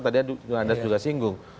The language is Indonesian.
tadi andas juga singgung